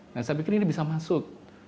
nah saya pikir ini bisa masuk